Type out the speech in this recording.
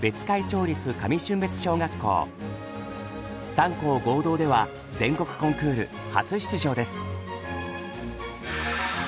３校合同では全国コンクール初出場です。